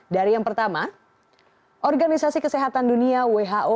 dari yang pertama organisasi kesehatan dunia who